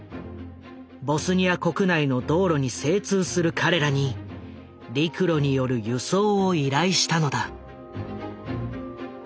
ボスニア国内の道路に精通する彼らに陸路による輸送を依頼したのだ。